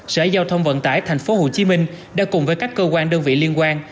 sở giao thông vận tải tp hcm đã cùng với các cơ quan đơn vị liên quan